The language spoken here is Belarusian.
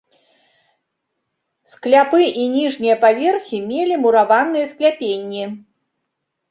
Скляпы і ніжнія паверхі мелі мураваныя скляпенні.